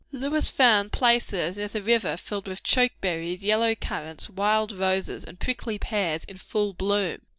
Lewis found places near the river filled with choke cherries, yellow currants, wild roses, and prickly pears in full bloom.